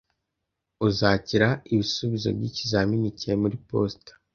Uzakira ibisubizo byikizamini cyawe muri posita